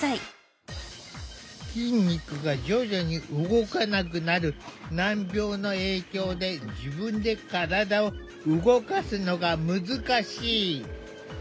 筋肉が徐々に動かなくなる難病の影響で自分で体を動かすのが難しい。